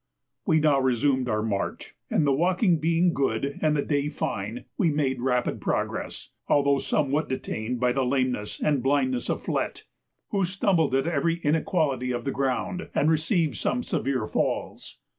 We now resumed our march, and the walking being good and the day fine we made rapid progress, although somewhat detained by the lameness and blindness of Flett, who stumbled at every inequality of the ground, and received some severe falls.